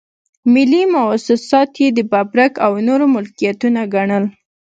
ملي مواسسات یې د ببرک او نورو ملکيتونه ګڼل.